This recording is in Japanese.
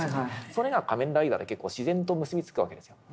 それが「仮面ライダー」で自然と結び付くわけですよ。